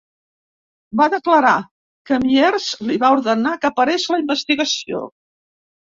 Va declarar que Miers li va ordenar que parés la investigació.